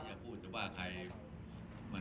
เรื่องสารวัสซัวร์เห็นได้สุดเนี่ย